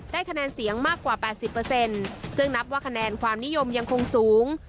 คะแนนเสียงมากกว่า๘๐ซึ่งนับว่าคะแนนความนิยมยังคงสูง